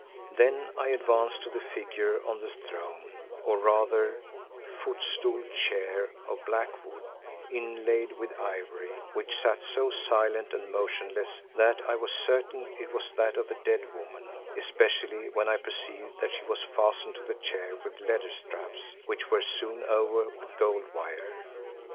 Then I advanced to the figure on the throne, or rather foot stooled chair of black wood inlaid with ivory, which sat so silent and motionless that I was certain it was that of a dead woman, especially when I perceived that she was fastened to the chair with leather straps, which were sewn over with gold wire.